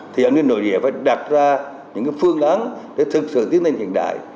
thì an ninh nội địa phải đặt ra những phương án để thực sự tiến lên hiện đại